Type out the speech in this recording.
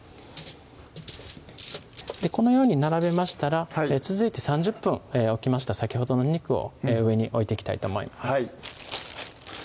このように並べましたら続いて３０分置きました先ほどのお肉を上に置いていきたいと思います